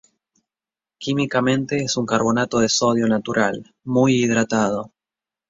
Químicamente es un carbonato de sodio natural, muy hidratado.